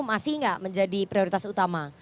masih nggak menjadi prioritas utama